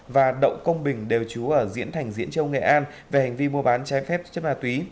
và đậu công bình đều trú ở diễn thành diễn châu nghệ an về hành vi mua bán trái phép chất ma túy